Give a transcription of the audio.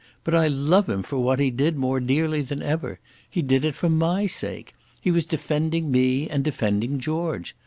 But I love him for what he did more dearly than ever. He did it for my sake. He was defending me, and defending George.